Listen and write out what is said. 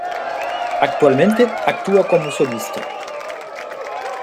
Actualmente, actúa como solista.